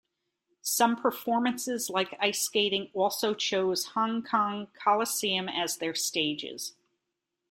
Some performances like ice-skating also choose Hong Kong Coliseum as their stages.